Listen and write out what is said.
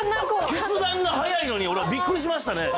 決断が早いのに、俺はびっくりしましたね。